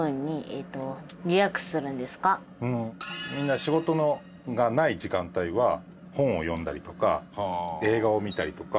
みんな仕事がない時間帯は本を読んだりとか映画を見たりとか。